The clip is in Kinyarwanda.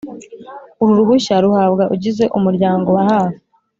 Uru ruhushya ruhabwa ugize umuryango wa hafi .